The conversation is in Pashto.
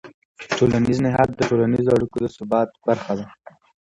ټولنیز نهاد د ټولنیزو اړیکو د ثبات برخه ده.